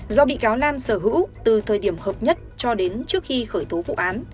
do bị cáo lan sở hữu từ thời điểm hợp nhất cho đến trước khi khởi tố vụ án